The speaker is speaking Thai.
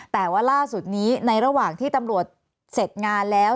แต่ว่าล่าสุดนี้ในระหว่างที่ตำรวจเสร็จงานแล้ว